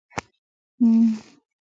ګس فارویک د ټسټورسټون پرته یو شیطان دی